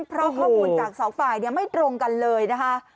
เพราะข้อมูลจากสองฝ่ายไม่ตรงกันเลยนะคะ